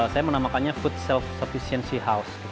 saya menamakannya food self soficiency house